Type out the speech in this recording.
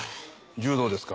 柔道ですか？